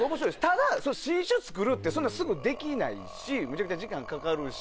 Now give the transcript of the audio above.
ただ新種作るってすぐできないしむちゃくちゃ時間かかるし。